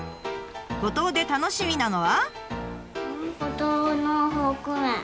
五島で楽しみなのは？